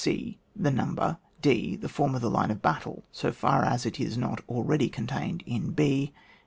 e. The number. d. The form of the line of battle so far as it is not already contained in b.